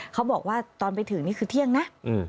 เขาบอกว่าตอนไปถึงนี่คือเที่ยงนะ